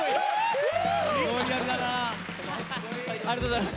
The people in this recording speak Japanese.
ありがとうございます。